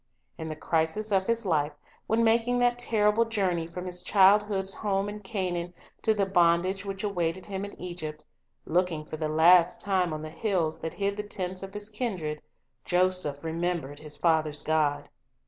In the crisis of his life, when making that terrible journey from his childhood's home in Canaan to the bondage which awaited him in Egypt, looking for the last time on the hills that hid the tents of his kindred, Joseph remembered his father's God.